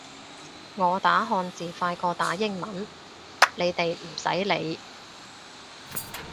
我打漢字快過打英文，你哋唔使理